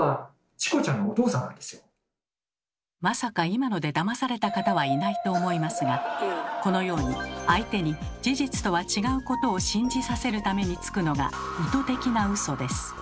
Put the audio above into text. まさか今のでだまされた方はいないと思いますがこのように相手に事実とは違うことを信じさせるためにつくのが意図的なウソです。